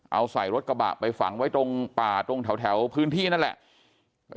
เอาใส่รถกระบะไปฝังไว้ตรงป่าตรงแถวพื้นที่นั่นแหละ